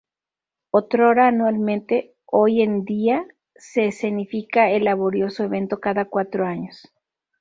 Otrora anualmente, hoy en día se escenifica el laborioso evento cada cuatro años.